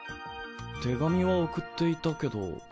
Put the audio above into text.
手紙は送っていたけど